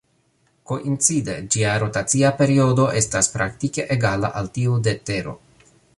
Koincide, ĝia rotacia periodo estas praktike egala al tiu de Tero.